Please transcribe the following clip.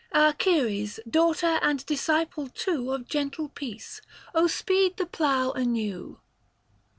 Ah Ceres, daughter and disciple too Of gentle Peace, speed the plough anew.